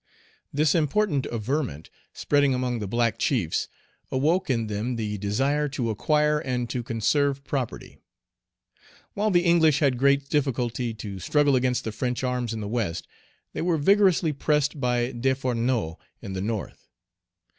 This important averment, spreading among the black chiefs, awoke in them the desire to acquire and to conserve property. While the English had great difficulty to struggle against the French arms in the West, they were vigorously pressed by Desfourneaux in the North.